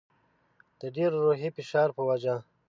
د ډېر روحي فشار په وجه.